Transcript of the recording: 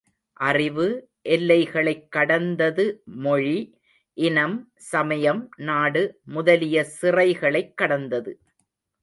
அறிவு, எல்லைகளைக் கடந்தது மொழி, இனம், சமயம், நாடு முதலிய சிறைகளைக் கடந்தது!